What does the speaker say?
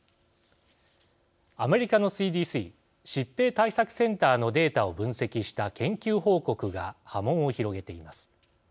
アメリカのＣＤＣ＝疾病対策センターのデータを分析した研究報告が波紋を広げています。